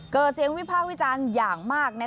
เกิดเสียงวิพาควิจารณ์อย่างมากนะคะ